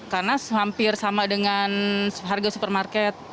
karena hampir sama dengan harga supermarket